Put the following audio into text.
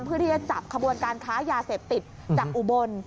เพื่อที่จะจับขบวนการค้ายาเสพติดจากอุบล